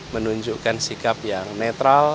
menunjukkan sikap yang netral